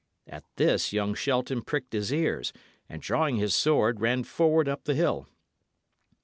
At this young Shelton pricked his ears, and drawing his sword, ran forward up the hill.